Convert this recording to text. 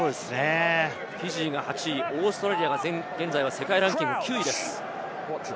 フィジーが８位、オーストラリアが現在は世界ランキング９位です。